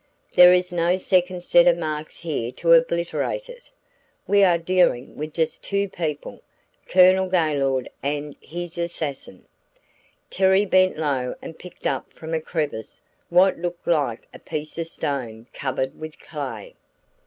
There is no second set of marks here to obliterate it; we are dealing with just two people Colonel Gaylord and his assassin." Terry bent low and picked up from a crevice what looked like a piece of stone covered with clay.